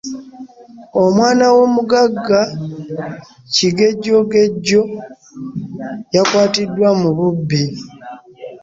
Omwana w'omugagga Kigejjogenjo yakwatiddwa mu bubbi.